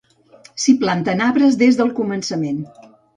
S'hi planten arbres des del començament.